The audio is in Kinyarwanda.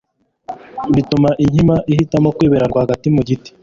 bituma inkima ihitamo kwibera rwagati mu giti.